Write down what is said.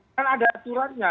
kan ada aturannya